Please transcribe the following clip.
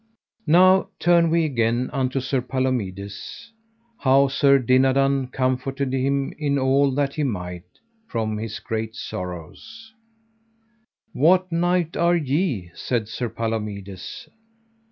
Now turn we again unto Sir Palomides, how Sir Dinadan comforted him in all that he might, from his great sorrow. What knight are ye? said Sir Palomides.